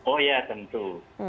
oh ya tentu